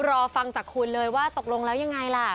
รอฟังจากคุณเลยว่าตกลงแล้วยังไงล่ะ